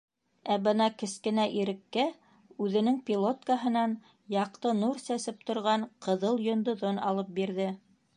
Ә бына кескенә Иреккә үҙенең пилоткаһынан яҡты нур сәсеп торған ҡыҙыл йондоҙон алып бирҙе.